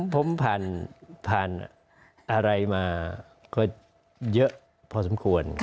ผมผ่านอะไรมาก็เยอะพอสมควร